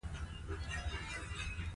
پروژې څنګه کیفیت پیدا کوي؟